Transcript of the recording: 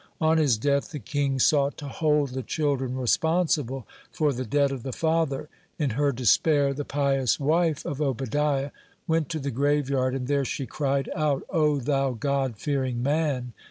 On his death, the king sought to hold the children responsible for the debt of the father. In her despair the pious wife of Obadiah (7) went to the graveyard, and there she cried out: "O thou God fearing man!"